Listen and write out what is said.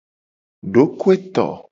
Dokoeto.